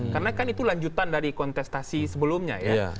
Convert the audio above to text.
karena kan itu lanjutan dari kontestasi sebelumnya ya